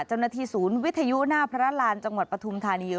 เจ้าหน้าที่ศูนย์วิทยุหน้าพระรานจังหวัดปฐุมธานี